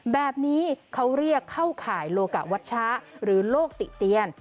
แบบนี้เขาเรียกเข้าข่ายโลกะวัชชะหรือโลกติเตียน